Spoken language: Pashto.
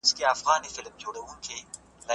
سندرې د انسان د ژوند اساسي برخه ده.